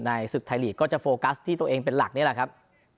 ศึกไทยลีกก็จะโฟกัสที่ตัวเองเป็นหลักนี่แหละครับ